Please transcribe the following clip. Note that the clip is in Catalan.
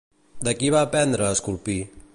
De qui va aprendre a esculpir?